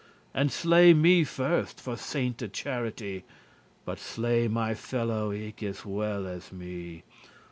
And slay me first, for sainte charity, But slay my fellow eke as well as me.